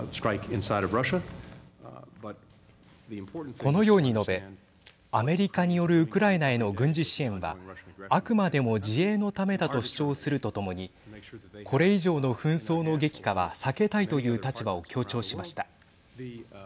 このように述べアメリカによるウクライナへの軍事支援はあくまでも自衛のためだと主張するとともにこれ以上の紛争の激化は避けたいという立場を強調しました。